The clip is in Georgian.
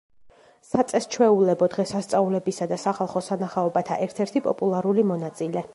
საწესჩვეულებო დღესასწაულებისა და სახალხო სანახაობათა ერთ-ერთი პოპულარული მონაწილე.